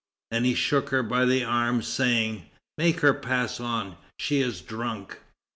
And he shook her by the arm, saying: "Make her pass on, she is drunk."